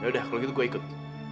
yaudah kalau gitu gue ikut